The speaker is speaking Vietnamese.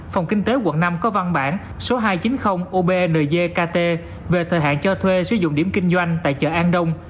phòng kinh tế quận năm có văn bản số hai trăm chín mươi obnzkt về thời hạn cho thuê sử dụng điểm kinh doanh tại chợ an đông